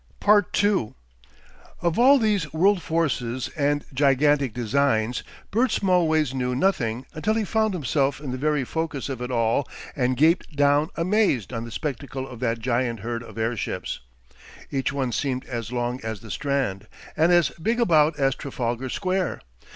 2 Of all these world forces and gigantic designs Bert Smallways knew nothing until he found himself in the very focus of it all and gaped down amazed on the spectacle of that giant herd of air ships. Each one seemed as long as the Strand, and as big about as Trafalgar Square.